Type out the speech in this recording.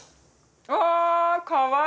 あかわいい！